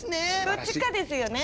どっちかですよね？